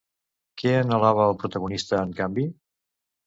Què anhelava el protagonista, en canvi?